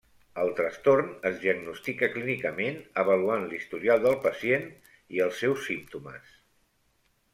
El trastorn es diagnostica clínicament avaluant l'historial del pacient i els seus símptomes.